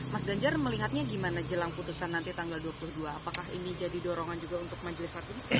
mas ganjar melihatnya gimana jelang putusan nanti tanggal dua puluh dua apakah ini jadi dorongan juga untuk majelis hakim